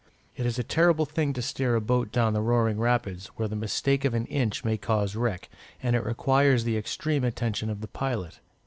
It is a terrible thing to steer a boat down the roaring rapids, where the mistake of an inch may cause wreck, and it requires the extreme attention of the pilot.